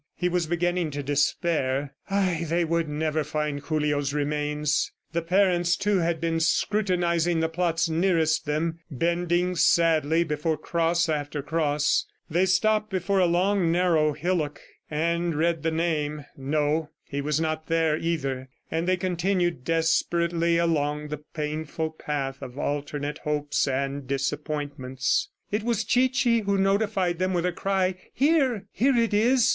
He was beginning to despair. ... Ay, they would never find Julio's remains! The parents, too, had been scrutinizing the plots nearest them, bending sadly before cross after cross. They stopped before a long, narrow hillock, and read the name. ... No, he was not there, either; and they continued desperately along the painful path of alternate hopes and disappointments. It was Chichi who notified them with a cry, "Here. ... Here it is!"